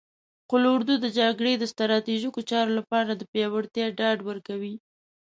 قول اردو د جګړې د ستراتیژیکو چارو لپاره د پیاوړتیا ډاډ ورکوي.